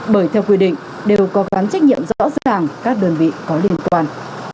bởi theo quy định đều có gắn trách nhiệm rõ ràng các đơn vị có liên quan